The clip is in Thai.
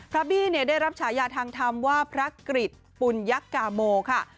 บี้ได้รับฉายาทางธรรมว่าพระกริจปุญยกาโมค่ะ